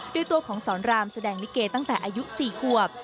โดยตัวของสอนรามแสดงลิเกตั้งแต่อายุ๔ขวบ